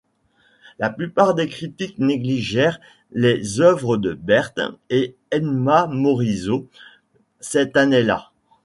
La plupart des critiques négligèrent les œuvres de Berthe et Edma Morisot, cette année-là.